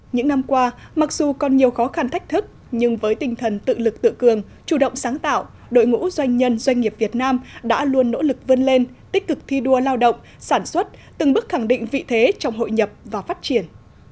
những năm qua mặc dù còn nhiều khó khăn thách thức nhưng với tinh thần tự lực tự cường chủ động sáng tạo đội ngũ doanh nhân doanh nghiệp việt nam đã luôn nỗ lực vươn lên tích cực thi đua lao động sản xuất từng bước khẳng định vị thế trong hội nhập và phát triển